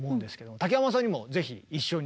竹山さんにもぜひ一緒に。